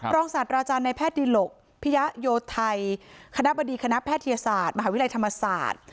ศาสตราจารย์ในแพทย์ดิหลกพิยะโยไทยคณะบดีคณะแพทยศาสตร์มหาวิทยาลัยธรรมศาสตร์